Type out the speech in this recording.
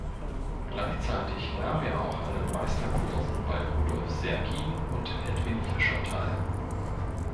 Gleichzeitig nahm er auch an Meisterkursen bei Rudolf Serkin und Edwin Fischer teil.